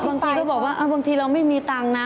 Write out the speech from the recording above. บางทีก็บอกว่าบางทีเราไม่มีตังค์นะ